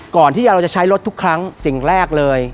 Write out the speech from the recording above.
ก่อนที่เราจะใช้รถทุกครั้งสิ่งแรกเลย